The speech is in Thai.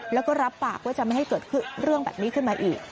แล้วก็รับปากว่าจะไม่ให้เกิดเรื่องแบบนี้ขึ้นมาอีก